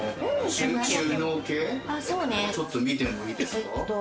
収納系、ちょっと見てもいいですか。